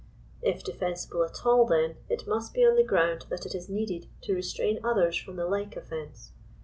If defensible at all, tlien. it must be on the ground that it is needed to restrain others from the like offense.